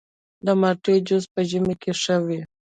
د مالټې جوس په ژمي کې ښه وي.